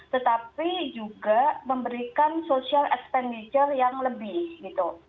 tetapi juga memberikan social expenditure yang lebih gitu